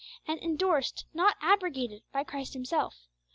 ] and endorsed, not abrogated, by Christ Himself.